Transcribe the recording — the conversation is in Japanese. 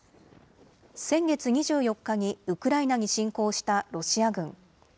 先月２４日にウクライナに侵攻したロシア軍。